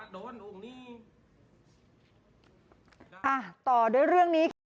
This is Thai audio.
ต่อด้วยเรื่องนี้